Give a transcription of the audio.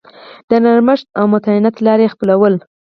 د نرمښت او متانت لار یې خپلوله.